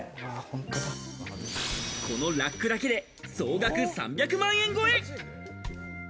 このラックだけで総額３００万円超え。